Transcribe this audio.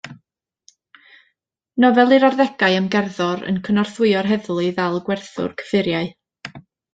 Nofel i'r arddegau am gerddor yn cynorthwyo'r heddlu i ddal gwerthwr cyffuriau.